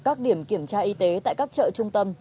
các điểm kiểm tra y tế tại các chợ trung tâm